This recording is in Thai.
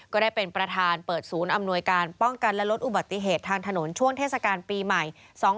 ก็ได้เป็นประธานเปิดศูนย์อำนวยการป้องกันและลดอุบัติเหตุทางถนนช่วงเทศกาลปีใหม่๒๕๖